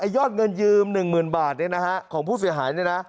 ยอดเงินยืม๑๐๐๐๐บาทของผู้เสียหาย